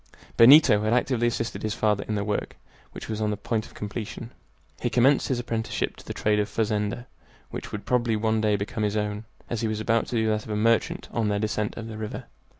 Benito had actively assisted his father in the work, which was on the point of completion. He commenced his apprenticeship to the trade of a fazender, which would probably one day become his own, as he was about to do that of a merchant on their descent of the river.